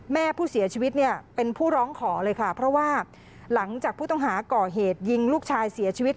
แม่ผู้เสียชีวิตเนี่ยเป็นผู้ร้องขอเลยค่ะเพราะว่าหลังจากผู้ต้องหาก่อเหตุยิงลูกชายเสียชีวิต